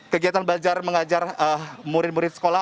kegiatan belajar mengajar murid murid sekolah